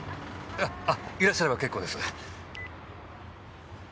あいらっしゃれば結構です。